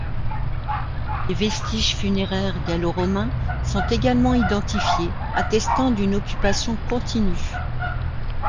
Des vestiges funéraires gallo-romains sont également identifiés, attestant d'une occupation continue.